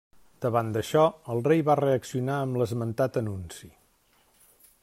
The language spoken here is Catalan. Davant d'això, el rei va reaccionar amb l'esmentat anunci.